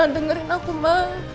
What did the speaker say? ma dengerin aku ma